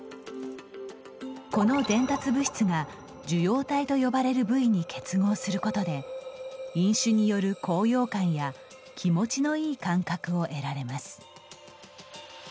この伝達物質が受容体と呼ばれる部位に結合することで飲酒による高揚感や気持ちのいい感覚を得られます。